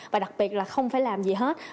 và đặc biệt là không phải làm gì hết